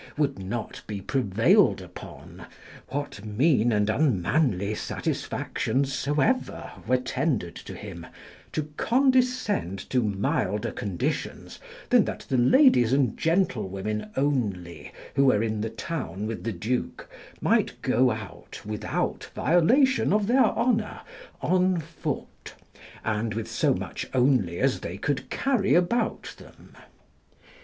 ] would not be prevailed upon, what mean and unmanly satisfactions soever were tendered to him, to condescend to milder conditions than that the ladies and gentlewomen only who were in the town with the duke might go out without violation of their honour, on foot, and with so much only as they could carry about them.